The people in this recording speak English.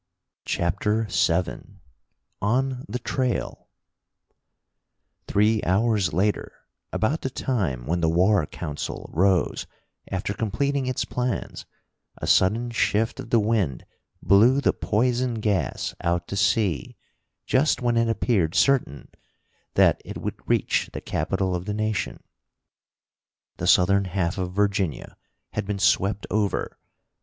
CHAPTER VII On the Trail Three hours later, about the time when the war council rose after completing its plans, a sudden shift of the wind blew the poison gas out to sea, just when it appeared certain that it would reach the capital of the nation. The southern half of Virginia had been swept over.